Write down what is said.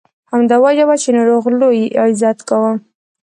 همدا وجه وه چې نورو غلو یې عزت کاوه.